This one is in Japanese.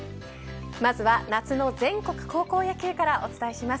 まずは夏の全国高校野球からお伝えします。